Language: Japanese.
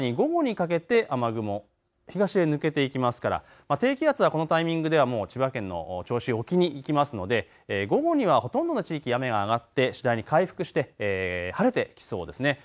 さらに午後にかけて雨雲、東へ抜けていきますから低気圧はこのタイミングではもう千葉県の銚子沖に行きますので午後にはほとんどの地域雨が上がって次第に回復して晴れてきそうですね。